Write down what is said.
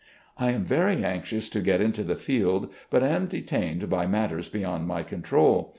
I am very anxious to get into the field, but am detained by matters beyond my control.